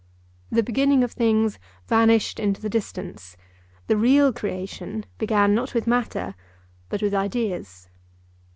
The beginning of things vanished into the distance. The real creation began, not with matter, but with ideas.